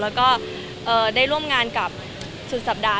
แล้วก็ได้ร่วมงานกับสุดสัปดาห